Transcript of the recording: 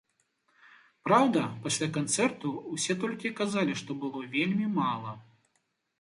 Праўда, пасля канцэрту ўсе толькі і казалі, што было вельмі мала.